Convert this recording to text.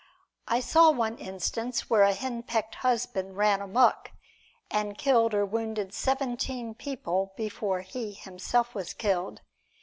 I saw one instance where a henpecked husband "ran amok" and killed or wounded seventeen people before he himself was killed.